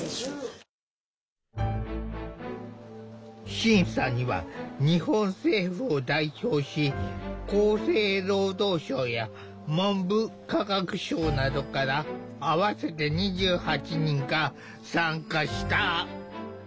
審査には日本政府を代表し厚生労働省や文部科学省などから合わせて２８人が参加した。